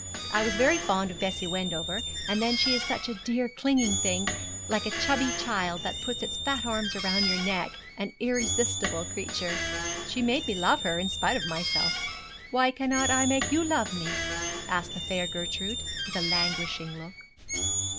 I was very fond of Bessie Wendover, but then she is such a dear clinging thing, like a chubby child that puts its fat arms round your neck an irresistible creature. She made me love her in spite of myself.' 'Why cannot I make you love me?' asked the fair Gertrude, with a languishing look.